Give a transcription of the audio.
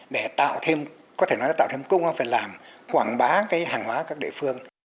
để tạo thêm có thể nói là tạo thêm cung phải làm quảng bá cái hàng hóa các địa phương